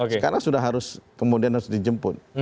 sekarang sudah harus kemudian harus dijemput